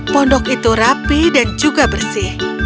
pondok itu rapi dan juga bersih